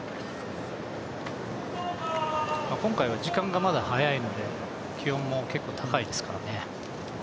今回は時間がまだ早いので、気温も結構高いですからね。